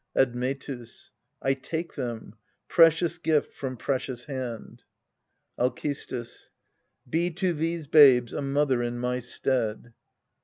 Admetus. I take them precious gift from precious hand. Alcestis. Be to these babes a mother in my stead.